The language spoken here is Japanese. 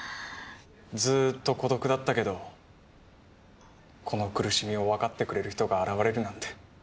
ずっと孤独だったけどこの苦しみを分かってくれる人が現れるなんて。